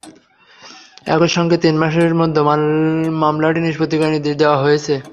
একই সঙ্গে তিন মাসের মধ্যে মামলাটি নিষ্পত্তি করার নির্দেশ দেওয়া হয়েছে।